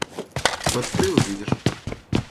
Вот ты увидишь.